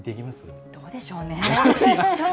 どうでしょうね。